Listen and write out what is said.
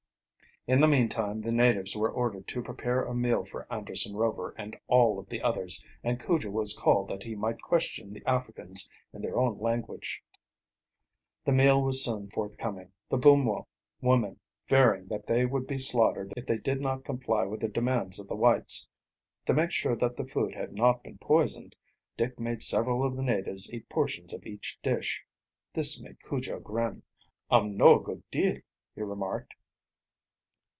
In the meantime the natives were ordered to prepare a meal for Anderson Rover and all of the others, and Cujo was called that he might question the Africans in their own language. The meal was soon forthcoming, the Bumwo women fearing that they would be slaughtered if they did not comply with the demands of the whites. To make sure that the food had not been poisoned, Dick made several of the natives eat portions of each dish. This made Cujo grin. "Um know a good deal," he remarked.